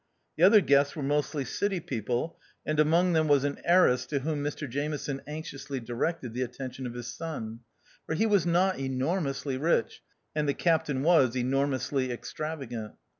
The other guests were mostly city people, and among them was an heiress to whom Mr Jameson anxiously directed the attention of his son; for he was not THE OUTCAST. 83 enormously rich, and the Captain was enormously extravagant.